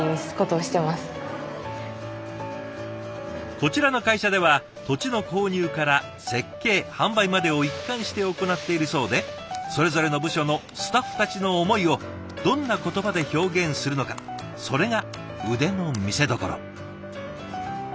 こちらの会社では土地の購入から設計販売までを一貫して行っているそうでそれぞれの部署のスタッフたちの思いをどんな言葉で表現するのかそれが腕の見せどころ。